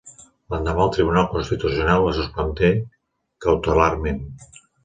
L'endemà el Tribunal Constitucional la suspengué cautelarment.